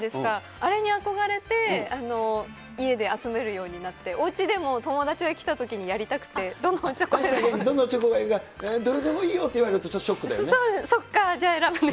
あれに憧れて、家で集めるようになって、おうちでも友達が来たときにやりたくて、どのおちょこがいいか、どれでもいいよって言われると、ちょっとショックだよね。